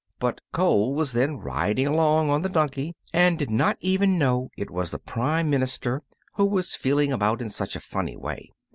But Cole was then riding along on the donkey, and did not even know it was the prime minister who was feeling about in such a funny way.